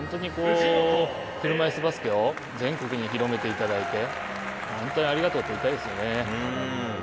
車いすバスケを全国に広めていただいて本当にありがとうと言いたいですよね。